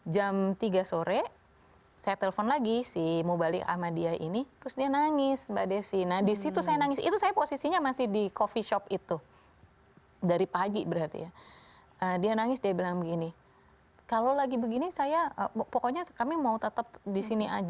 jam tiga sore saya telepon lagi si mubalik ahmadiyah ini terus dia nangis mbak desi nah disitu saya nangis itu saya posisinya masih di coffee shop itu dari pagi berarti ya dia nangis dia bilang begini kalau lagi begini saya pokoknya kami mau tetap di sini aja